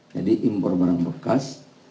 jadi impor barang bekas